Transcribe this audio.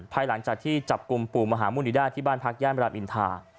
ภายหลังจากที่จับกลุ่มปู่มหามุณิดาที่บ้านพักย่านรามอินทา